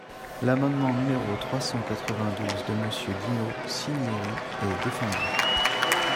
L’amendement numéro trois cent quatre-vingt-douze de Monsieur Dino Cinieri est défendu.